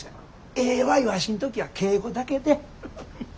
ええわいワシん時は敬語だけで。